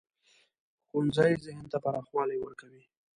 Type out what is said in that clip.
ښوونځی ذهن ته پراخوالی ورکوي